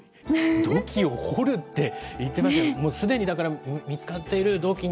土器を掘るって言ってましたけど、すでにだから見つかっている土器に。